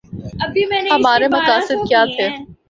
ہمارے مقاصد کیا تھے؟